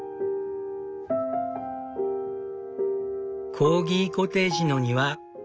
コーギコテージの庭。